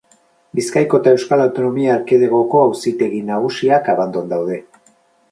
Bizkaiko eta Euskal Autonomia Erkidegoko Auzitegi Nagusiak Abandon daude.